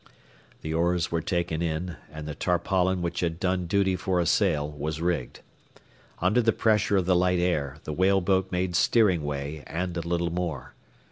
The oars were taken in, and the tarpaulin which had done duty for a sail was rigged. Under the pressure of the light air the whale boat made steering way and a little more.